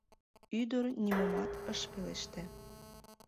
Ӱдыр нимомат ыш пелеште.